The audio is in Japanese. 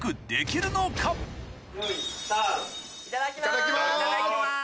いただきます。